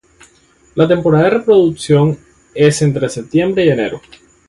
La temporada de reproducción es entre septiembre y enero.